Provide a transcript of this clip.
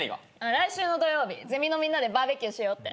来週の土曜日ゼミのみんなでバーベキューしようって。